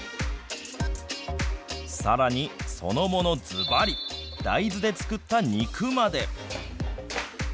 さらに、そのものずばり、大豆で作った肉まで。